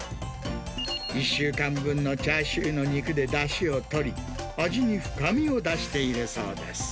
１週間分のチャーシューの肉でだしをとり、味に深みを出しているそうです。